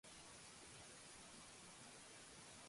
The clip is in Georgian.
მე გუშინ სკოლაში ვიყავი.